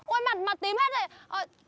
ôi mặt mặt tím hết rồi